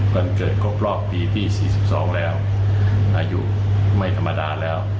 วันเกิดครบรอบปีที่๔๒แล้วอายุไม่ธรรมดาแล้ว